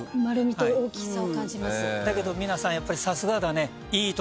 だけど皆さんやっぱりさすがだね。